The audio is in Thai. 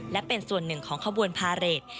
และเป็นส่วนหนึ่งของขบวนพาเรท